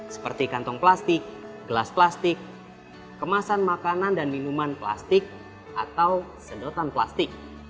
seperti kantong plastik gelas plastik kemasan makanan dan minuman plastik atau sedotan plastik